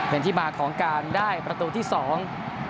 เป็นที่มาของการได้ประตูที่สอง